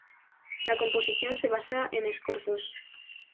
La composición se basa en escorzos.